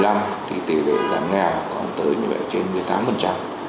đầu năm hai nghìn một mươi năm tỷ lệ giảm nghèo còn tới như vậy trên một mươi tám